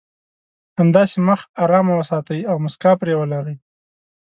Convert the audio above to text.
همداسې مخ ارام وساتئ او مسکا پرې ولرئ.